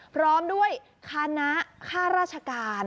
พร้อมด้วยคณะข้าราชการ